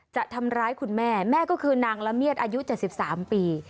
จะทำร้ายคุณแม่แม่ก็คือนางละเมียดอายุ๗๓ปี